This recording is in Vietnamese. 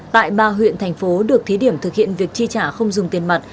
tại ba huyện thành phố được thí điểm thực hiện việc chi trả không dùng tiền mặt